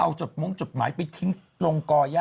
เอาจดมุ้งจดหมายไปทิ้งลงก่อย่า